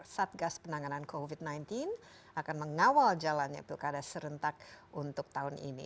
satgas penanganan covid sembilan belas akan mengawal jalannya pilkada serentak untuk tahun ini